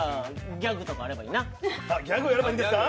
ギャグをやればいいんですか。